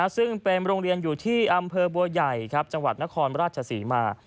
ซึ่งเป็นโรงเรียนอยู่ที่อำเภอบัวใหญ่จังหวัดนครราชศรีมา